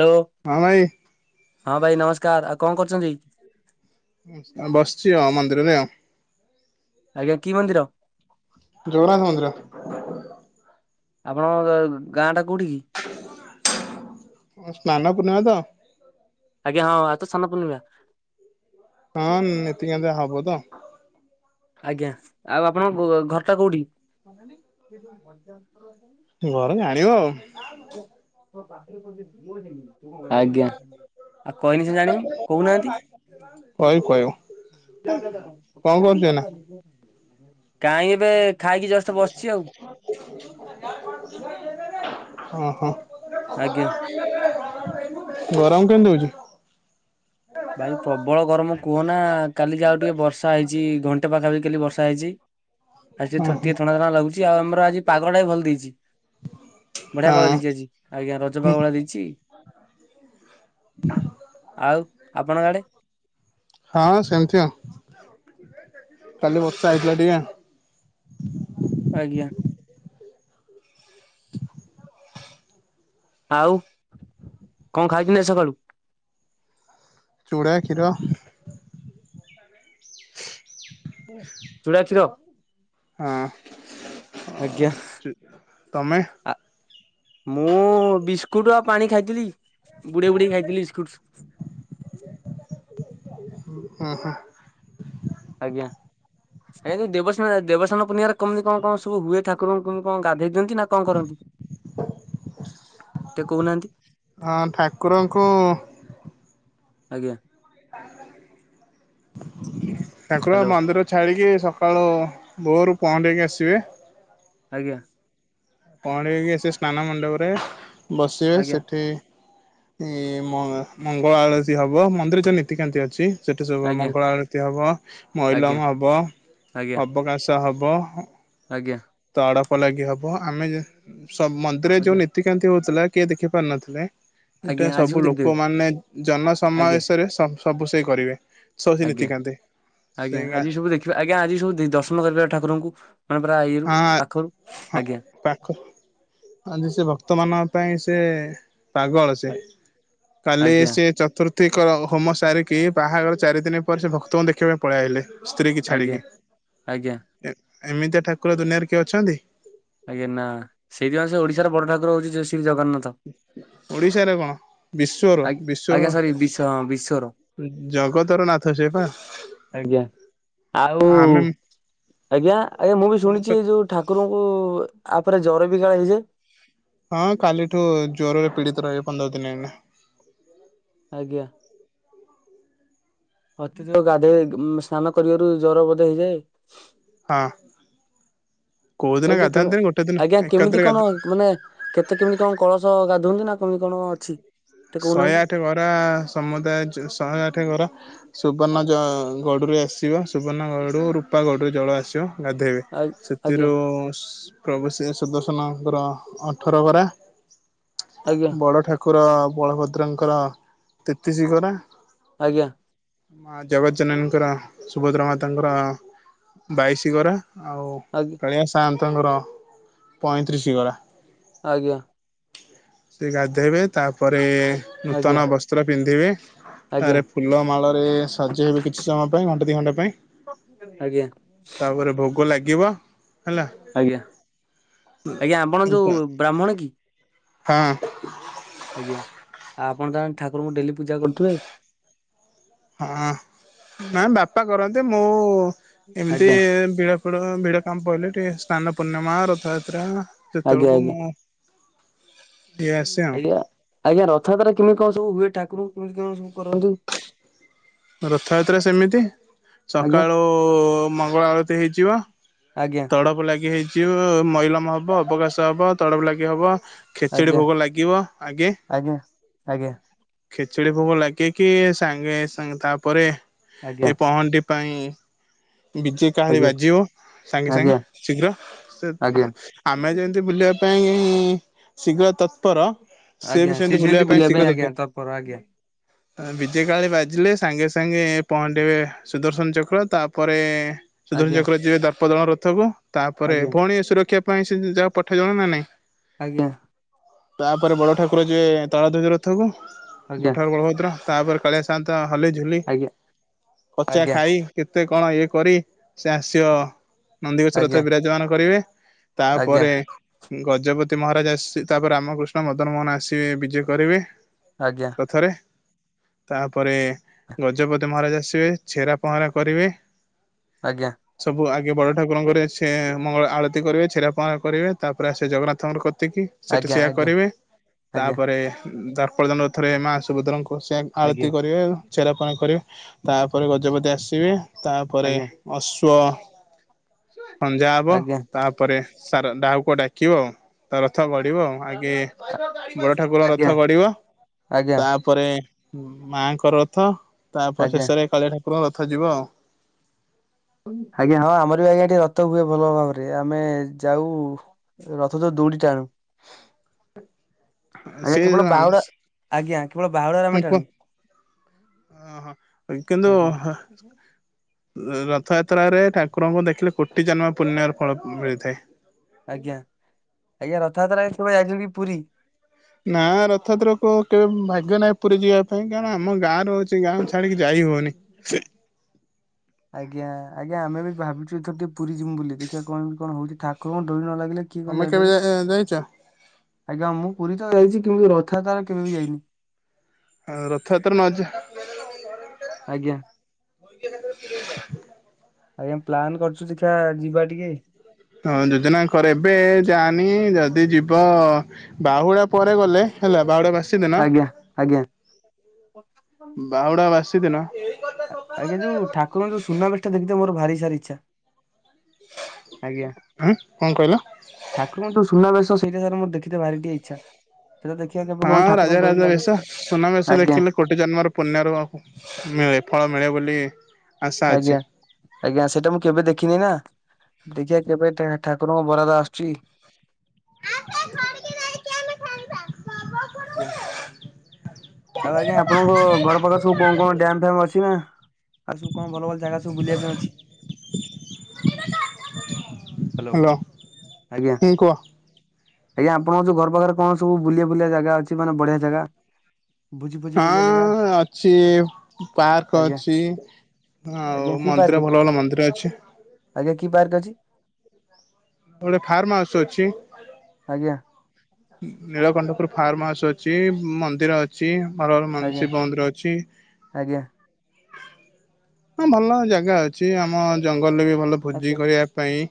Hello ହଁ ଭାଇ। ହଁ ଭାଇ ନମସ୍କାର ଆଉ କଣ କରୁଛନ୍ତି? ଆ ବସିଚି ଆ ମନ୍ଦିରରେ ଆଉ। ଆଜ୍ଞା କି ମନ୍ଦିର? ଜଗନ୍ନାଥ ମନ୍ଦିର। ଆପଣଙ୍କ ଗାଁ ଟା କୋଉଠି କି? ସ୍ନାନ ପୂର୍ଣ୍ଣିମା ତ? ଆଜ୍ଞା ହଁ ଆଉ ତ ସ୍ନାନ ପୂର୍ଣ୍ଣିମା ହଁ ନୀତିକାନ୍ତି ହବ ତ? ଆଜ୍ଞା ଆଉ ଆପଣଙ୍କ ଗୁ ଘରଟା କୋଉଠି? ଘର ଜାଣିଵ ଆଉ। ମୁଁ ପାଖରେ [unintelligible] ଆଜ୍ଞା ଆଉ କହିନି ସେ ଜାଣିବି କହୁନାହାନ୍ତି। କହିବୁ କହିବୁ କଣ କରୁଛୁ ଏଇନା? କାହିଁ ଏବେ ଖାଇକି ଜଷ୍ଟ ବସିଛି ଆଉ ଓ ହୋ। ଆଜ୍ଞା। ଗରମ କେମିତି ହଉଛି? ଭାଇ ପ୍ରବଳ ଗରମ କୁହନା କାଲି ଯାହା ଟିକେ ବର୍ଷା ହେଇଛି ଘଣ୍ଟେ ପାଖାପାଖି କାଲି ବର୍ଷା ହେଇଛି। ଆଜି ଓହୋ ଟିକେ ଥଣ୍ଡା ଥଣ୍ଡା ଲାଗୁଛି ଆଉ ଆମର ଆଜି ପାଗଳ ଟା ବି ଭଲ ଦେଇଛି। ବଢିଆ ପାଗ ଦେଇଛି ଆଜି ଆଜ୍ଞା ରଜ ହଁ ପାଖ ଭଳିଆ ଦେଇଛି। ଆଉ ଆପଣ ଆଡେ? ହଁ ସେମିତି ଆଉ କାଲି ବର୍ଷା ହେଇଥିଲା ଟିକେ। ଆଜ୍ଞା। ଆଉ କଣ ଖାଇଚନ୍ତି ଆଜି ସକାଳୁ? ଚୂଡ଼ା, କ୍ଷୀର। ଚୁଡ଼ା, କ୍ଷୀର? ହଁ ଆଜ୍ଞା ତମେ? ମୁଁ ବିସ୍କୁଟ ଆଉ ପାଣି ଖାଇଥିଲି। ବୁଢେଇ ବୁଢେଇ ଖାଇଥିଲି ବିସ୍କୁଟ। ଓ ହୋ। ଆଜ୍ଞା। ଏ ଦେବସ୍ନାନ ଦେବସ୍ନାନ ପୁର୍ଣିଆରେ କେମିତି କଣ ସବୁ ହୁଏ ଠାକୁରଙ୍କୁ କେମିତି କଣ ଗାଧେଇ ଦିଅନ୍ତି ନା କଣ କରନ୍ତି? ଟିକେ କହୁନାହାନ୍ତି ହଁ ଠାକୁରଙ୍କୁ ଆଜ୍ଞା। ତାଙ୍କର ହ୍ୟାଲୋ ମନ୍ଦିର ଛାଡିକି ସକାଳୁ ଭୋରୁ ପହଁଣ୍ଡେଇକି ଆସିବେ। ଆଜ୍ଞା। ପଇକି ଆ ସ୍ନାନ ମଣ୍ଡପରେ ବସିବେ ଆଜ୍ଞା ସେଠି। ମଙ୍ଗଳା ଆଳସୀ ହବ ମନ୍ଦିର ଯଉ ନୀତି କେମିତି ଅଛି? ସେଇଠି ସବୁ ଆଜ୍ଞା ମଙ୍ଗଳା ଆରତି ହେବ ଆଜ୍ଞା ମଇଲମ ହେବ ଆଜ୍ଞା ଅବକାଶ ହବ। ଆଜ୍ଞା। ଆଡପ ଲାଗି ହବ ଆମେ ମନ୍ଦିରରେ ଯୋଉ ଆଜ୍ଞା। ନୀତିକାନ୍ତି ହଉଥିଲା କିଏ ଦେଖି ପାର ନଥିଲେ। ଆଜ୍ଞା ଏଇଟା ଆଜି ସବୁ ଦେଖିଦେବେ ଲୋକମାନେ ଆଜ୍ଞା ଜନସମାବେଶରେ ସବୁ ସେ କରିବେ। ସବୁ ସେ ଆଜ୍ଞା ନୀତିକାନ୍ତି ସେ ଆଜ୍ଞା ଗାଁ ଆଜି ସବୁ ଦେଖିବା ଆଜ୍ଞା ଆଜି ସବୁ ଦର୍ଶନ କରିବା ଠାକୁରଙ୍କୁ ମାନେ ପୁରା ଇଏରୁ ହଁ ପାଖରୁ ହଁ ଆଜ୍ଞା। ବର୍ତ୍ତମାନ ପାଇଁ ସେ ପାଗଳ ସେ କାଲି ଆଜ୍ଞା ସେ ଚତୁର୍ଥୀଙ୍କ ହୋମ ସାରିକି ବାହାଘର ଚାରିଦିନ ପରେ ସେ ଭକ୍ତଙ୍କୁ ଦେଖିବା ପାଇଁ ପଳେଇଆ ହେଲେ। ସ୍ତ୍ରୀ କି ଛାଡିକି ଆଜ୍ଞା ଆଜ୍ଞା ଏମିତିଆ ଠାକୁର ଦୁନିଆରେ କିଏ ଅଛନ୍ତି? ରହୁଛି ଓଡିଶାରେ କଣ? ବିଶ୍ଵର, ଆ ଆଜ୍ଞା ସରି ବିଶ ହଁ ବିଶ୍ଵର। ବିଶ୍ଵ ଜଗତର ନାଥ ସେ ପା। ଆଜ୍ଞା। ଆଉ ଆମେ ଆଜ୍ଞା, ଆଜ୍ଞା। ମୁଁ ବି ଶୁଣିଛି ଯୋଉ, ଠାକୁରଙ୍କୁ ଆ ପରେ ଜର ବି କାଳେ ହେଇ ଯାଏ? ହଁ କାଲିଠୁ, ଜୋରରେ ପୀଡିତ ରହିବେ, ପନ୍ଦର ଦିନ ଆମେ। ଆଜ୍ଞା। ଅତୀତ ଗାଧୋଇ, ସ୍ନାନ କରିବାରୁ ଜର ବଧ ହେଇଯାଏ? ହଁ। କୋଉ ଦିନ ଏ ଯୋଉ କେମ୍ ଗାଧାନ୍ତିନି ଗୋଟେ ଦିନ ଆଜ୍ଞା ଏକାଥରେ କେମିତି ଗାଧା କଣ? ମାନେ କେତେ କେମି, କଣ କଳସ ଗାଧୁଆନ୍ତି ନା କେମି କଣ ଅଛି? ଟିକେ ଶହେ କହୁନାହାନ୍ତି ଆଠ ଗରା, ସମୁଦାୟ ଚ, ଶହେ ଆଠ ଗରା। ସୁବର୍ଣ୍ଣ ଜ, ଗଡ଼ୁରେ ଆସିବ। ସୁବର୍ଣ୍ଣ ଗଡୁ ରୂପା ଗଡୁ ଜଳ ଆସିବ। ଗାଧୋଇବେ। ଆ ଆଜ୍ଞା ସେଥିରୁ ସ, ପ୍ରଭୁ ସେ ସୁଦ ସନଙ୍କର, ଅଠର ଗରା, ଆଜ୍ଞା ବଡ ଠାକୁର ବଳଭଦ୍ରଙ୍କର, ତେତିସି ଗରା। ଆଜ୍ଞା। ମା ଜଗତ ଜନନିଙ୍କର, ସୁଭଦ୍ରା ମାତାଙ୍କର, ବାଇଶି ଗରା। ଆଉ ଆଜ୍ଞା କାଳିଆ ସାହାନ୍ତଙ୍କର, ପଇଁତିରିଶ ଗରା ଆଜ୍ଞା। ସେ ଗାଧୋଇବେ, ତାପରେ ଆଜ୍ଞା। ନୂତନ ବସ୍ତ୍ର ପିନ୍ଧିବେ। ଆଜ୍ଞା ତାରେ ଫୁଲ ମାଳ ରେ ସଜେଇବେ, କିଛି ସମୟ ପାଇଁ। ଘଣ୍ଟେ ଦି ଘଣ୍ଟା ପାଇଁ। ଆଜ୍ଞା, ତାପରେ ଭୋଗ ଲାଗିବ ହେଲା ଆଜ୍ଞା। ଆଜ୍ଞା, ଆପଣ ଯୋଉ ବ୍ରାହ୍ମଣ କି? ହଁ। ଆଜ୍ଞା। ଆପଣ ତାହେଲେ ଠାକୁରଙ୍କୁ, ଡେଲି ପୂଜା କରୁଥିବେ? ହଁ, ନାଇଁ ବାପା କରନ୍ତି। ମୁଁ ଏମିତି ଆଜ୍ଞା ବିଳ କୂଳ, ବିଡ କାମ ପାଇଲେ, ଟିକେ ସ୍ନାନ ପୂର୍ଣ୍ଣିମା, ରଥଯାତ୍ରା ସେ ଆଜ୍ଞା ତଳକୁ ଆଜ୍ଞା। ମୁ ଆଜ୍ଞା, ଆଜ୍ଞା। ରଥଯାତ୍ରା କେମିତି କଣ ସବୁ ହୁଏ? ଠାକୁର ଙ୍କୁ କେମତି କଣ ସବୁ କରନ୍ତି? ରଥଯାତ୍ରା ସେମିତି। ଆଜ୍ଞା ସକାଳୁ ମଙ୍ଗଳା ଆଳତି ହେଇଯିବ। ଆଜ୍ଞା ତଡ଼ବ ଲାଗି ହେଇଯିବ, ମଇଲମ ହବ, ଅବକାଶ ହବ, ତଡବ ଲାଗି ହବ। ଖେଚୁଡି ଆଜ୍ଞା ଭୋଗ ଲାଗିବ ଆଗେ। ଆଜ୍ଞା ଆଜ୍ଞା ଖେଚୁଡି ଭୋଗ ଲାଗିକି ସାଙ୍ଗେ, ସାଙ୍ଗେ ତାପରେ, ଏ ଆଜ୍ଞା ପହଣ୍ଡି ପାଇଁ, ବିଜେ କାହାରି ଆଜ୍ଞା ବାଜିବ। ସାଙ୍ଗେ, ସାଙ୍ଗେ ଆଜ୍ଞା ଶୀଘ୍ର। ସେ, ଆଜ୍ଞା ଆମେ ଯେମିତି ବୁଲିବା ପାଇଁଁ, ଶୀଘ୍ର ତ ତର, ସେ ଆଜ୍ଞା ବି ସିଏ ସେମିତି ବୁଲିବା ପାଇଁ, ଶୀଘ୍ର ତର, ଆଜ୍ଞା ତତ୍ପର ଆଜ୍ଞା ତର। ବିଜେ କାଳି ବାଜିଲେ, ସାଙ୍ଗେ ସାଙ୍ଗେ ପହଣ୍ଡେଇବେ ସୁଦର୍ଶନ ଚକ୍ର। ତାପରେ ସୁଧର ଆଜ୍ଞା ଚକ୍ର ଯିବେ ଦର୍ପଦନ ରଥକୁ। ତାପରେ ଆଜ୍ଞା ଭଉଣୀ ସୁରକ୍ଷା ପାଇଁ, ସେ ଯାହା ପଠେଇ ଜଣ ନା ନାଇଁ ଆଜ୍ଞା ତାପରେ ବଡ଼ ଠାକୁର ଯିବେ ତାଳ ଧ୍ୱଜ ରଥକୁ। ବଡ଼ ଆଜ୍ଞା ଠାକୁର ବଳଭଦ୍ର ତାପରେ, କାଳିଆ ସାନ୍ତ ହଲେଇ, ଝୁଲି। ଆଜ୍ଞା କଚା ଆଜ୍ଞା ଖାଇ, କେତେ କଣ, ଇଏ କରି ସେ ଆସିବ। ନନ୍ଦୀଗୋଷ ରଥରେ, ଆଜ୍ଞା ବିରାଜମାନ କରିବେ। ଆଜ୍ଞା ଆଜ୍ଞା ତାପରେ ଗଜପତି ମହାରାଜ ଆସ- ତାପରେ ରାମକୃଷ୍ଣ, ମଦନ ମୋହନ ଆସିବେ। ବିଜେ କରିବେ ଆଜ୍ଞା ରଥରେ। ତାପରେ, ଗଜପତି ମହାରାଜ ଆସିବେ। ଛେରା ପହଁରା କରିବେ। ଆଜ୍ଞା ସବୁ ଆ ଇଏ ବଡ଼ ଠାକୁରଙ୍କରେ, ସେ ମଙ୍ଗଳ ଆଳତି କରିବେ। ଚ୍ଛେରା ପହରା କରିବେ। ତାପରେ ସେ ଆସିବେ ଜଗନ୍ନାଥଙ୍କର କ ତିକି, ସେଠି ଆଜ୍ଞା ଆଜ୍ଞା ଆଜ୍ଞା ସେଆ ଆଜ୍ଞା କରିବେ। ତାପରେ ଦର୍ପଦନ ରଥରେ ମା ସୁଭଦ୍ରାଙ୍କ କୋ ସେ ଆଳତି କରିବେ। ଛେରା ପହଁରା କରିବେ। ତାପରେ ଗଜପତି ଆସିବେ। ତାପରେ ଆଜ୍ଞା ଅଶ୍ୱ ଖଞ୍ଜା ହବ ଆଜ୍ଞା ତାପରେ ସାର ଡାଉକୁ ଡାକିବ ଆଉ। ତା ରଥ ଗଢିବ ଆ ଆଗେ ବଡ ଠାକୁର ଆଜ୍ଞା ରଥ ଗଢିବ ତାପରେ ହଁ ମାଆଙ୍କର ରଥ ତାପରେ ଆଜ୍ଞା ଶେଷରେ କାଳିଆ ଠାକୁରଙ୍କ ରଥ ଯିବ ଆଉ। ଆଜ୍ଞା ହଁ ଆମର ବି ଆଜ୍ଞା ଏଠି ରଥ ହୁଏ ଭଲ ଭାବରେ ଆମେ ଯାଉ ରଥଚ ଦୌଡ଼ି ଟାଣୁ। ଆଜ୍ଞା ସେ କେବଳ ବାହୁଡା ଆଜ୍ଞା କେବଳ ବାହୁଡାରେ ଆମେ ଟାଣୁ। ଓ ହୋ କିନ୍ତୁ ଆଜ୍ଞା ରଥଯାତ୍ରରେ ଠାକୁରଙ୍କୁ ଦେଖିଲେ କୋଟି ଜନ୍ମ ପୁର୍ଣ ର ଫଳ ମିଳିଥାଏ। ଆଜ୍ଞା ଆଜ୍ଞା ରଥଯାତ୍ରା ସେ ଯାଇଛନ୍ତି କି ପୁରୀ? ନା ରଥଯାତ୍ରାକୁ କେବେ ଭାଗ୍ୟ ନାହିଁ ପୁରୀ ଯିବା ପାଇଁ କାରଣ ଆମ ଗାଁ ର ହଛି ସେ ଗାଁ ଛାଡିକି ଯାଇ ହଉନି। [inaudible] ଆଜ୍ଞ ଆଜ୍ଞା ଆମେ ବି ଭାବଛୁ ଏଥର ଟିକେ ପୁରୀ ଯିବୁ ବୋଲି ଦେଖିବା କଣ କଣ ହଉଛି ଠାକୁର ଙ୍କ ଡୋରି ନ ଲାଗି କିଏ କଣ ତମେ କେବେ ଯାଇଛ ଯାଇପାରିବ ଆଜ୍ଞା ମୁଁ ପୁରୀ ତ ଯାଇଛି କିନ୍ତୁ ରଥାଯାତ୍ରା ରେ କେବେ ବି ଯାଇନି। ଆ ରଥଯାତ୍ରା ନ ଯ ଆଜ୍ଞା [unintelligible] [unintelligible] ଆଜ୍ଞା ପ୍ଲାନ କରୁଛୁ ଦେଖା ଯିବା ଟିକେ ହଁ ଯୋଜନା କରେ ଏବେ ଯାନି ଯଦି ଯିବ ବାହୁଡା ପରେ ଗଲେ ହେଲା ବାଉଡା ବାସି ଦିନ ଆଜ୍ଞା। ଆଜ୍ଞା ବାଉଡା ବାସି ସେଦିନ ଆଜ୍ଞା ଯୋଉ ଠାକୁରଙ୍କ ଯୋଉ ସୁନାବେଶ ଟା ଦେଖିଥେ ମୋର ଭାରି ସାରି ଇଚ୍ଛା। ଆଜ୍ଞା ହଁ କଣ କହିଲ? ଠାକୁର ମ ତୁ ସୁନାବେସ ସେଇଟା ସାର ମୋ ଦେଖି ଭାର ଟିକେ ଇଚ୍ଛା। ସେଇଟା ଦେଖିବା କେବେ କଣ ହଁ ରାଜା ଠାକୁରଙ୍କ ଡୋରି ରାଜା ଲାଗୁଛି ବେଶ ସୁନା ବେଶ ଆଜ୍ଞା ଦେଖିଲେ କୋଟି ଜନ୍ମର ପୁଣ୍ୟ ର ମିଳେ ଫଳ ମିଳେ ବୋଲି ଆଶା ଅଛି। ଆଜ୍ଞା ଆଜ୍ଞା ସେଇଟା ମୁଁ କେବେ ଦେଖିନି ନା। ଦେଖିିବା କେବେ ଠାକୁରଙ୍କ ବରାଦା ଆସୁଛି। ଏବେ ଖର୍କି ଦେଇକି ଆମେ ଖାଇବା। ଜ୍ଞା। ଆଉ ଆଜ୍ଞା ଆପଣଙ୍କ ଘର ପାଖରେ ସବୁ କଣ କଣ ଡ୍ୟାମ ଫାମ ଅଛି ନା ଆଉ ସବୁ କଣ ଭଲ ଭଲ ଜାଗା ସବୁ ବୁଲିବା ପାଇଁ ଅଛି। ହ୍ୟାଲୋ ଆଜ୍ଞା ହୁଁ କୁହ। ଆଜ୍ଞା ଆପଣଙ୍କ ଯୋଉୁ ଘର ପାଖରେ କଣ ସବୁ ବୁଲିଆ ବୁଲିଆ ଜାଗା ଅଛି ମାନେ ବଢିଆ ଜାଗା ଭୋଜି ଫୋଜି କରିବା ଜାଗା ହଁ ଅଛି ପାର୍କ ଆଜ୍ଞା ଅଛି। ଆଜ୍ଞା ଆଉ କି ପାର୍କ ଭଲ ଭଲ ମନ୍ଦିର ଅଛି। ଆଜ୍ଞା [inaudible] ଗୋଟେ ଫାର୍ମ ହାଉସ ଅଛି ଆଜ୍ଞା ନୀଳକଣ୍ଟପୁର ଫାର୍ମ ହାଉସ୍ ଅଛି ମନ୍ଦିର ଅଛି। ଭଲ ଭଲ ମ ଆଜ୍ଞା ଶିବ ମନ୍ଦିର ଅଛି। ଆଜ୍ଞା ହଁ ଭଲ ଜାଗା ଅଛି ଆମ ଜଙ୍ଗଲରେ ବି ଭଲ ଭୋଜି ଆଜ୍ଞା କରିବା ପାଇଁ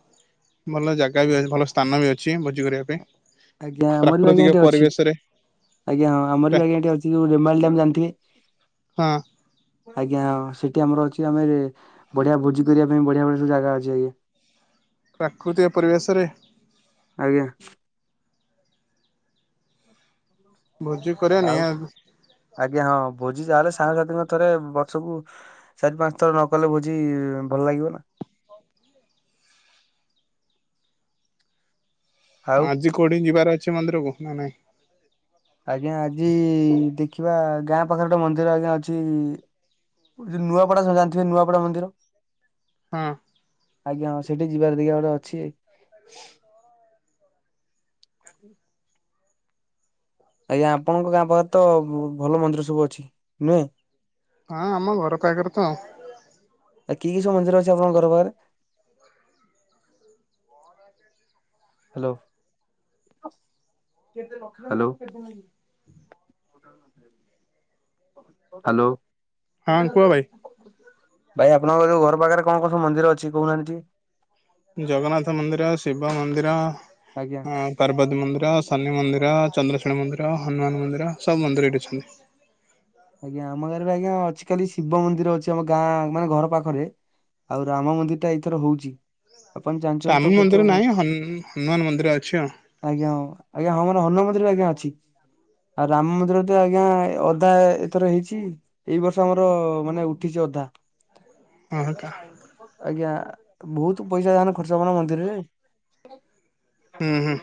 ଭଲ ଜାଗା ବି ଅ ଭଲ ସ୍ଥାନ ବି ଅଛି ଭୋଜି କରିବା ପାଇଁ। ଆଜ୍ଞା ଆମର ବା ଆଜ୍ଞା ପ୍ରାକୃତିକ ଏଠି ଅଛି। ପରିବେଶରେ ଆଜ୍ଞା ହଁ ଆମର ପ୍ରା ବି ଆଜ୍ଞା ଏଠି ଅଛି ଯୋଉ ରେମା ଡମ୍ ଜାଣିଥିବେ ହଁ ଆଜ୍ଞା ସେ ଆମର ଅଛି ଆମେ ବଢିଆ ଭୋଜି କରିବା ପାଇଁ ବଢିଆ ବଢିଆ ସବୁ ଜାଗା ଅଛି ଆଜ୍ ପ୍ରାକୃତିକ ପରିବେଶରେ ଆଜ୍ଞା ଭୋଜି କରିବା ଆଉ ନିହାତି ଆଜ୍ଞା ହଁ ଭୋଜି ଚାଲେ ସାଙ୍ଗସାଥିୀଙ୍କ ଥରେ ବର୍ଷକୁ ଚାରି ପାଞ୍ଚ ଥର ନ କଲେ ଭୋଜି ଭଲ ଲାଗିବ ନା। [inaudible] ଆଉ ଆଜି କୋଉଠି ଯିବାର ଅଛି ମନ୍ଦିରକୁ ନା ନାହିଁ ଆଜ୍ଞା ଆଜି ଦେଖିବା ଗାଁ ପାଖରେ ଗୋଟେ ଆଜ୍ଞା ଅଛି ଜ ନୂଆପଡ଼ା ସବୁ ଜାଣିଥିବେ ନୂଆପଡ଼ା ମନ୍ଦିର ହଁ ଆଜ୍ଞା ହଁ ସେଠି ଯିବାର ଦେଖ ଗୋଟେ ଅ ଅଛି। ଆଜ୍ଞା ଆପଣଙ୍କ ଗାଁ ପାଖରେ ତ ଭଲ ମନ୍ଦିର ସବୁ ଅଛି ନୁହେଁ ହଁ ଆମ ଘର ପାଖରେ ତ ଆଉ ଆ କି କି ସବୁ ମନ୍ଦିର ଅଛି ଆପଣଙ୍କ ଘର ପାଖରେ ହାଲୋ। ହାଲୋ। ହାଲୋ। ହଁ କୁହ ଭାଇ ଭାଇ ଆପଣଙ୍କ ଯୋଉ ଘର ପାଖରେ କଣ କଣ ମନ୍ଦିର ଅଛି କହୁନାହାନ୍ତି ଟିକେ? ଜଗନ୍ନାଥ ମନ୍ଦିର, ଶିବ ମନ୍ଦିର, ଆଜ୍ଞା ପାର୍ବତୀ ମନ୍ଦିର, ଶନି ମନ୍ଦିର। ର, ଚନ୍ଦ୍ରଶେଣ ମନ୍ଦିର, ହନୁମାନ ମନ୍ଦିର ସବୁ ମନ୍ଦିର ଏଇଠି ଅଛନ୍ତି। ଆଜ୍ଞା ଆମ ଗାଁରେ ଆଜ୍ଞା ଆଜିକାଲି ଶିବ ମନ୍ଦିର ଅଛି। ଆମ ଗାଁ ମାନେ ଘର ପାଖରେ ଆଉ ରାମ ମନ୍ଦିର ଟା ଏଇଥର ହୋଉଛି। ଆପଣ ଜାଣିଚନ୍ତି ରାମ ତ କେତେ ମନ୍ଦିର ନାହିଁ କ ହନୁ ହନୁମାନ ମନ୍ଦିର ଅଛି ଆଜ୍ଞା ହଁ ଆଜ୍ଞା ହଁ ମାନ ହନୁମାନ ନ୍ଦିର ଆଜ୍ଞା ଅଛି ଆଉ ରାମ ମନ୍ଦିର ତ ଆଜ୍ଞା ଅଧା ଥର ହେଇଛି ଏଇ ବର୍ଷ ଆମର ମାନେ ଉଠି ଅଧା ଆଉ ହଁ କା ଆଜ୍ଞା। ବହୁତ ପଇସା ଯାନ ଖର୍ଚ୍ଚ ହବନା ମନ୍ଦିରରେ। ହୁଁ ହୁଁ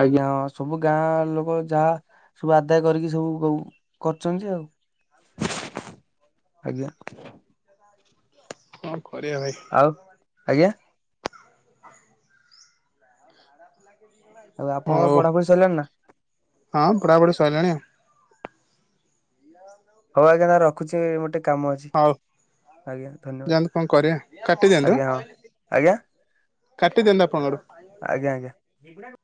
ଆଜ୍ଞା ହଁ ସବୁ ଗାଁ ଲୋକ ଯାହା ସବୁ ଆଦାୟ କରିକି ସବୁ କ କରୁଛନ୍ତି ଆଉ। ଆଜ୍ଞା ହଁ। କରିବା ଭାଇ ଆଉ ଆଜ୍ଞା ଆଉ ଆପଣଙ୍କର ହୋଉ ପଢାପଢି ସରିଲାଣି ନା ହଁ ପଢ଼ାପଢ଼ି ସଇଲାଣି। ହୋଉ ଆଜ୍ଞା ତାହାଲେ ରଖୁଚି ମୋର ଟିକେ କାମ ଅଛି। ହଉ ଆଜ୍ଞା ଧନ୍ୟବାଦ ଯାଆନ୍ତୁ କଣ କରିବା କାଟି ଦିଅନ୍ତୁ ଆଜ୍ଞା ଆ। ହଁ ଆଜ୍ଞା କାଟିଦିନ୍ତୁ ଆପଣଙ୍କଡୁ। ଆଜ୍ଞା ଆଜ୍ଞା।